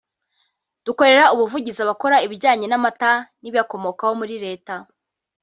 dukorera ubuvugizi abakora ibijyanye n’amata n’ibiyakomoka muri Leta